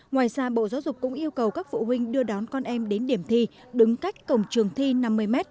ngoài ra bộ giáo dục cũng yêu cầu các phụ huynh đưa đón con em đến điểm thi đứng cách cổng trường thi năm mươi m